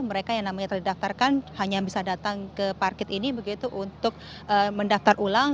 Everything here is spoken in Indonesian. mereka yang namanya telah didaftarkan hanya bisa datang ke parkir ini begitu untuk mendaftar ulang